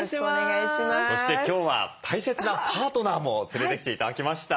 そして今日は大切なパートナーも連れてきて頂きました。